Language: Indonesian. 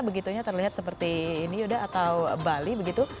begitunya terlihat seperti ini atau bali